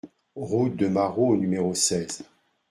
Route de Marrault au numéro seize